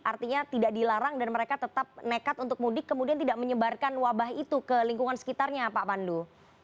artinya tidak dilarang dan mereka tetap nekat untuk mudik kemudian tidak menyebarkan wabah itu ke lingkungan sekitarnya pak pandu